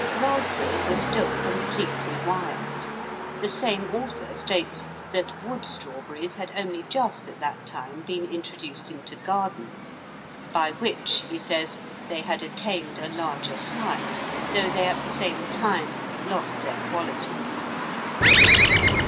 raspberries were still completely wild; the same author states that wood strawberries had only just at that time been introduced into gardens, "by which," he says, "they had attained a larger size, though they at the same time lost their quality."